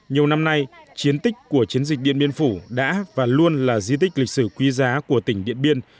nhiều năm nay chiến tích của chiến dịch điện biên phủ đã và luôn là di tích lịch sử quý giá của tỉnh điện biên